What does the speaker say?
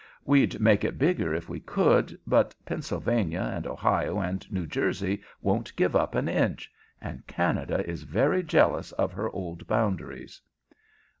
We'd make it bigger if we could, but Pennsylvania and Ohio and New Jersey won't give up an inch; and Canada is very jealous of her old boundaries."